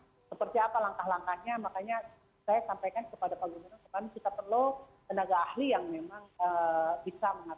kita perlu tenaga ahli yang memang bisa mengatasi persoalan ini